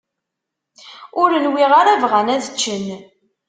Ur nwiɣ ara bɣan ad ččen.